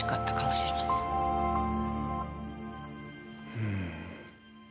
うん。